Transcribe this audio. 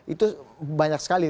itu banyak sekali